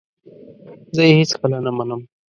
زه یې هیڅکله نه منم !